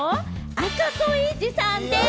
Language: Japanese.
赤楚衛二さんでぃす！